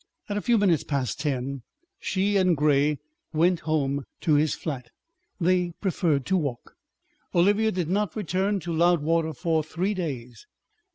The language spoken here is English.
At a few minutes past ten she and Grey went home to his flat. They preferred to walk. Olivia did not return to Loudwater for three days.